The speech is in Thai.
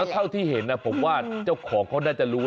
เท่าที่เห็นผมว่าเจ้าของเขาน่าจะรู้